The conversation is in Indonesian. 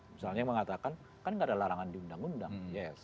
misalnya mengatakan kan nggak ada larangan di undang undang